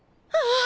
ああ。